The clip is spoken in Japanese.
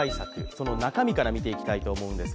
その中身から見ていきたいと思います。